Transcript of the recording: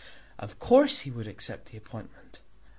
Of course he would accept the appointment.